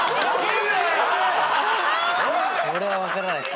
これは分からないっす。